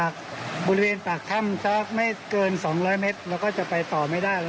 กล้องไปถ่าย